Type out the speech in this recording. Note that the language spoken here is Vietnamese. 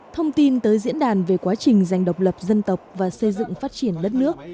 thông tin tới diễn đàn về quá trình giành độc lập dân tộc và xây dựng phát triển đất nước